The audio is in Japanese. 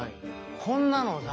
こんなのさ